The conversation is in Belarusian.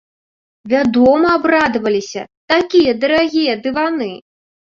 Вядома, абрадаваліся, такія дарагія дываны!